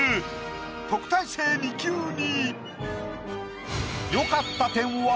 特待生２級に。